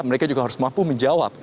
mereka juga harus mampu menjawab